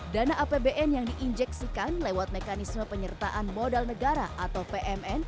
dana apbn yang diinjeksikan lewat mekanisme penyertaan modal negara atau pmn